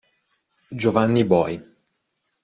Giovanni Boi